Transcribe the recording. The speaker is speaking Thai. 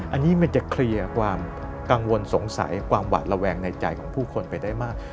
อันนี้มันจะเคลียร์ความกังวลสงสัยความหวาดระแวงในใจของผู้คนไปได้มาก